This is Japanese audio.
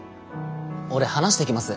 俺話してきます。